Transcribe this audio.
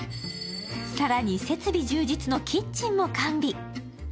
更に設備充実のキッチンも完備。